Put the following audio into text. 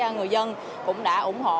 người dân cũng đã ủng hộ